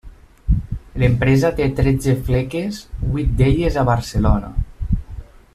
L'empresa té tretze fleques, vuit d'elles a Barcelona.